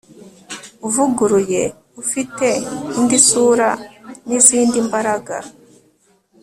uvuguruye ufite indi sura n'izindi mbaraga